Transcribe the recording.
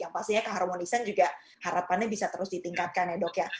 yang pastinya keharmonisan juga harapannya bisa terus ditingkatkan ya dok ya